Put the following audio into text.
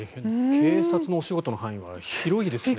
警察のお仕事の範囲はびっくりですね。